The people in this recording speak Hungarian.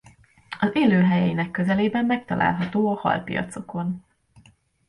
Az élőhelyeinek közelében megtalálható a halpiacokon.